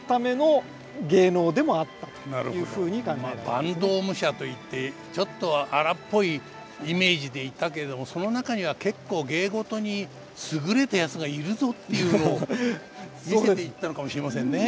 坂東武者といってちょっと荒っぽいイメージでいたけれどもその中には結構芸事に優れた奴がいるぞっていうのを見せていったのかもしれませんね。